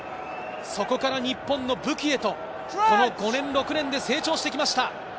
そこから日本の武器へと、この５年、６年で成長してきました。